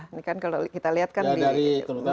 ini kan kalau kita lihat kan di migas pertumbuhan